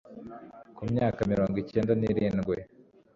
ku myaka mirongo ikenda ni irindwi